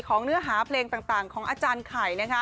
เนื้อหาเพลงต่างของอาจารย์ไข่